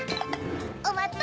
おまっと！